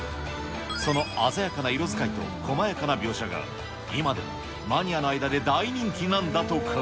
その鮮やかな色使いとこまやかな描写が、今でもマニアの間で大人気なんだとか。